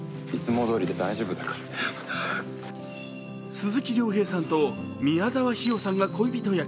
鈴木亮平さんと宮沢氷魚さんが恋人役。